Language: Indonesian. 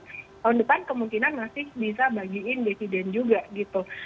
tahun depan kemungkinan masih bisa bagiin dividen juga gitu